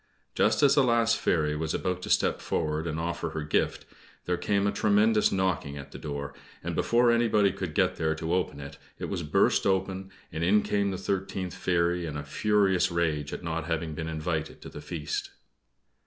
Just as the last fairy was about to step forward and offer her gift, there came a tremendous knocking at the door, and before anybody could get there to open it, it was burst open, and in came the thirteenth fairy, in a furious rage at not having been invited to the feast.